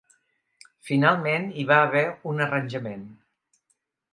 Finalment hi va haver un arranjament.